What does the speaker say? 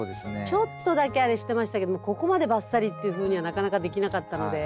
ちょっとだけあれしてましたけどもここまでバッサリっていうふうにはなかなかできなかったので。